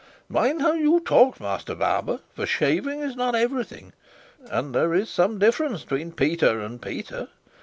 Mind how you talk, master barber; for shaving is not everything, and there is some difference between Peter and Peter.